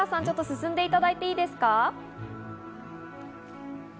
ちょっと進んでいただいていいですか？